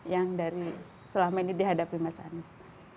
yang dari selama ini dihadapi mas anies